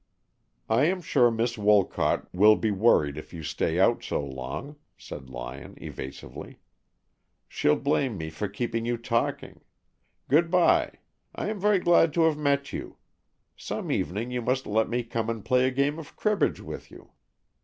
"I am sure Miss Wolcott will be worried if you stay out so long," said Lyon, evasively. "She'll blame me for keeping you talking. Good by. I am very glad to have met you. Some evening you must let me come and play a game of cribbage with you."